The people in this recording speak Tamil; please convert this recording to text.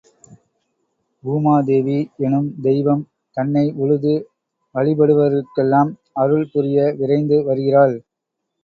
பூமாதேவி எனும் தெய்வம் தன்னை உழுது வழிபடுபவர்க்கெல்லாம் அருள் புரிய விரைந்து வருகிறாள்.